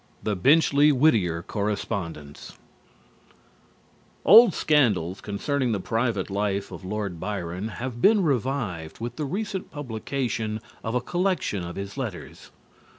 THE BENCHLEY WHITTIER CORRESPONDENCE Old scandals concerning the private life of Lord Byron have been revived with the recent publication of a collection of his letters.